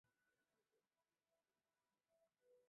土田七为姜科土田七属下的一个种。